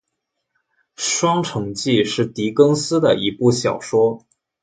《双城记》是狄更斯的一部小说。